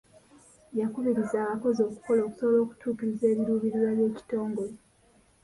Yakubiriza abakozi okukola okusobola okutuukiriza ebiruubirirwa by'ekitongole.